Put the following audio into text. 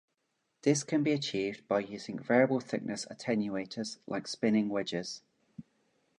This can be achieved by using variable thickness attenuators like spinning wedges.